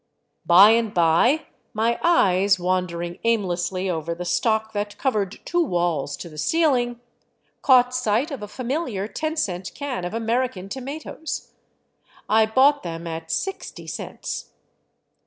By and by my eyes, wandering aimlessly over the stock that covered two walls to the ceiling, caught sight of a familiar ten cent can of Amer ican tomatoes. I bought them at sixty cents.